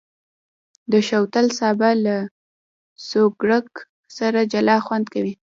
د شوتل سابه له سوکړک سره جلا خوند کوي.